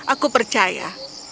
rosali aku percaya